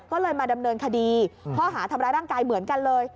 ก็เลยมาดำเนินคดีข้อหาทำร้ายร่างกายเหมือนกันเลย